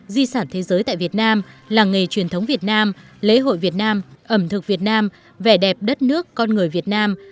di sản thế giới tại việt nam làng nghề truyền thống việt nam lễ hội việt nam ẩm thực việt nam vẻ đẹp đất nước con người việt nam